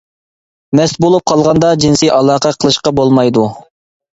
مەست بولۇپ قالغاندا جىنسىي ئالاقە قىلىشقا بولمايدۇ.